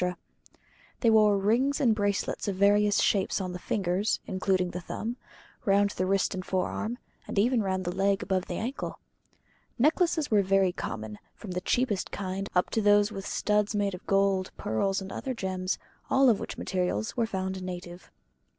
They wore rings and bracelets of various shapes on the fingers (including the thumb), round the wrist and forearm, and even round the leg above the ankle. Necklaces were very common, from the cheapest kind up to those with the studs made of gold, pearls, and other gems, all of which materials were found native.